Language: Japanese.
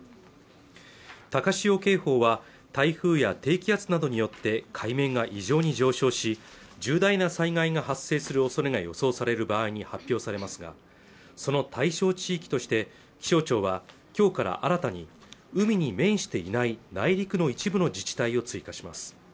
高潮警報は台風や低気圧などによって海面が異常に上昇し重大な災害が発生するおそれが予想される場合に発表されますがその対象地域として気象庁はきょうから新たに海に面していない内陸の一部の自治体を追加します